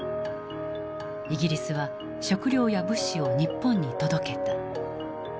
イギリスは食料や物資を日本に届けた。